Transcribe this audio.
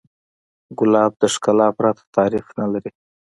ګلاب د ښکلا پرته تعریف نه لري.